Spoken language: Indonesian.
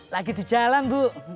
lagi di jalan bu